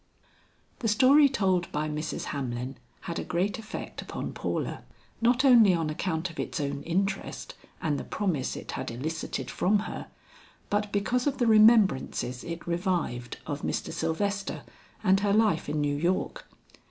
The story told by Mrs. Hamlin had a great effect upon Paula, not only on account of its own interest and the promise it had elicited from her, but because of the remembrances it revived of Mr. Sylvester and her life in New York.